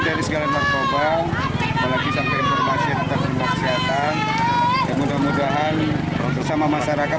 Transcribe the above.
dari segala makroba lagi sampai informasi tentang kemaksiatan mudah mudahan bersama masyarakat